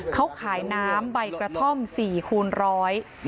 เขาขายน้ำใบกระท่อม๔คูณร้อย